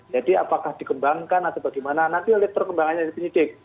jadi apakah dikembangkan atau bagaimana nanti oleh perkembangannya penyidik